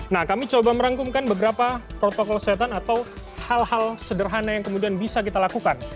nah kami coba merangkumkan beberapa protokol kesehatan atau hal hal sederhana yang kemudian bisa kita lakukan